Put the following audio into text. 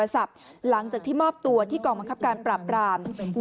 ผ่านทางโทรศัพท์หลังจากที่มอบตัวที่กองมังคับการปราบราม